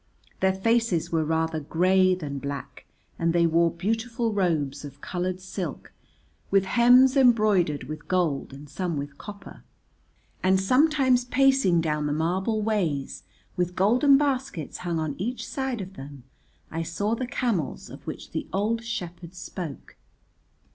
Their faces were rather grey than black, and they wore beautiful robes of coloured silk with hems embroidered with gold and some with copper, and sometimes pacing down the marble ways with golden baskets hung on each side of them I saw the camels of which the old shepherd spoke.